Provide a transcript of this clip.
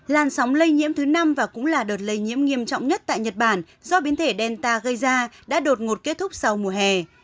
làn sóng lây nhiễm thứ năm và cũng là đợt lây nhiễm nghiêm trọng nhất tại nhật bản do biến thể delta gây ra đã đột ngột kết thúc sau mùa hè